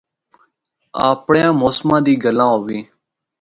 اپڑیاں موسماں دی گلا ہوے۔